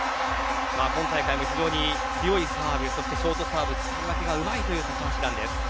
今大会も非常に強いサーブそしてショートサーブ使い分けがうまい高橋藍です。